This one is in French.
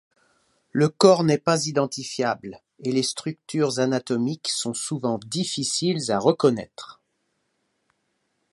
Le corps n'est pas identifiable et les structures anatomiques sont souvent difficiles à reconnaître.